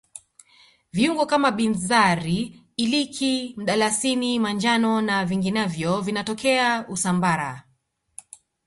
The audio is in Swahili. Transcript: viungo kama binzari iliki mdalasini manjano na vinginevyo vinatokea usambara